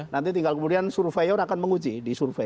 nanti tinggal kemudian surveyor akan menguji di survei